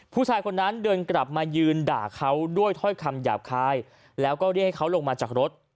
ผู้ชายคนนั้นเดินกลับมายืนด่าเขาด้วยถ้อยคำหยาบคายแล้วก็เรียกให้เขาลงมาจากรถ